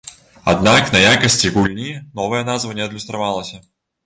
Аднак на якасці гульні новая назва не адлюстравалася.